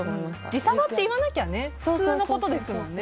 自サバって言わなきゃ普通のことですもんね。